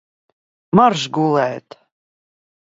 Maršs gulēt!